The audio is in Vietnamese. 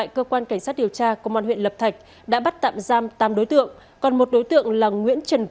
cơ quan cảnh sát điều tra công an huyện lập thạch đã bắt tạm giam tám đối tượng